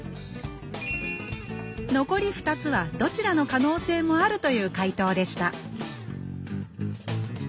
残り２つはどちらの可能性もあるという回答でした